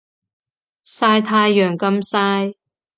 曬太陽咁曬